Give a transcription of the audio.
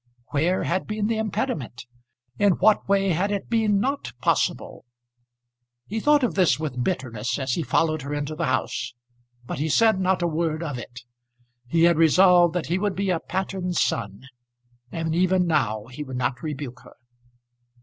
Where had been the impediment? In what way had it been not possible? He thought of this with bitterness as he followed her into the house, but he said not a word of it. He had resolved that he would be a pattern son, and even now he would not rebuke her.